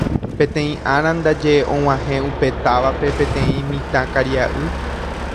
Peteĩ ára ndaje og̃uahẽ upe távape peteĩ mitãkaria'y